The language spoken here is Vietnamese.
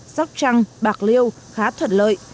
sóc trăng bạc liêu khá thuật lợi